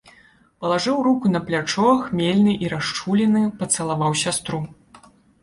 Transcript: Палажыў руку на плячо, хмельны і расчулены, пацалаваў сястру.